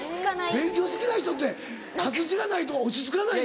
勉強好きな人って活字がないと落ち着かないの？